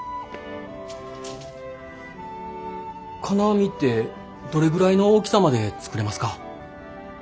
金網ってどれぐらいの大きさまで作れますか？